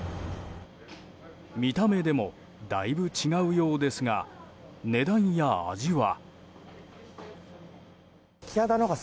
見た目でもだいぶ違うようですが値段や味は？